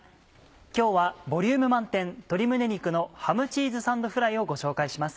今日はボリューム満点「鶏胸肉のハムチーズサンドフライ」をご紹介します。